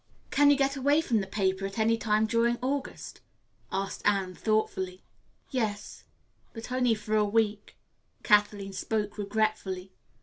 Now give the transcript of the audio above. "Can you get away from the paper at any time during August?" asked Anne thoughtfully. "Yes; but only for a week," Kathleen spoke regretfully.